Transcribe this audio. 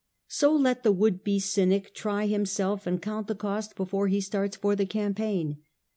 So let the would be Cynic try himself, and count the cost before he starts for the campaign.